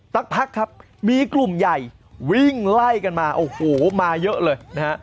สักพักครับมีกลุ่มใหญ่วิ่งไล่กันมาโอ้โหมาเยอะเลยนะฮะ